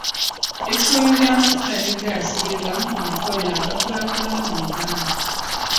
Ekkolero ly'amafuta ne ggaasi ge gamu ku makolero agakulaakulana mu Uganda.